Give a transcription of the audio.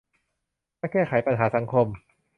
มาแก้ไขปัญหาสังคม